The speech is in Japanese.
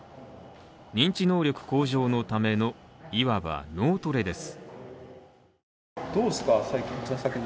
認知能力向上のための、いわば脳トレです。